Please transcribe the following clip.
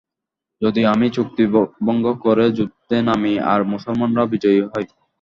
যদি আমি চুক্তি ভঙ্গ করে যুদ্ধে নামি আর মুসলমানরা বিজয়ী হয়?